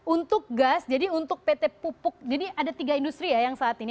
untuk gas jadi untuk pt pupuk jadi ada tiga industri ya yang saat ini